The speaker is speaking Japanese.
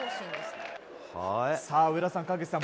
上田さん、川口さん